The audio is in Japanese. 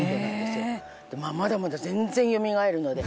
まだまだ全然よみがえるので。